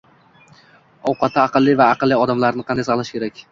➡️Ovlatda aqlli va aqlli odamlarni qanday saqlash kerak?